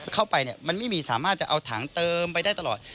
เข้าไปมันไม่มีสามารถจะเอาถังเติมไปได้ตลอด